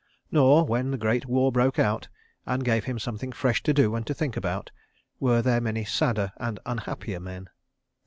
Nor, when the Great War broke out, and gave him something fresh to do and to think about, were there many sadder and unhappier men.